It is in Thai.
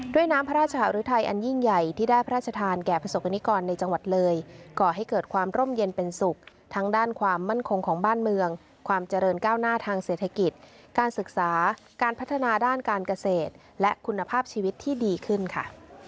ด้วยน้ำพระราชหรือไทยอันยิ่งใหญ่ที่ได้พระราชทานแก่ประสบกรณิกรในจังหวัดเลยก่อให้เกิดความร่มเย็นเป็นสุขทั้งด้านความมั่นคงของบ้านเมืองความเจริญก้าวหน้าทางเศรษฐกิจการศึกษาการพัฒนาด้านการเกษตรและคุณภาพชีวิตที่ดีขึ้นค่ะ